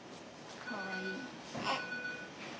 かわいい。